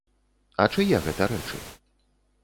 А чые гэта рэчы?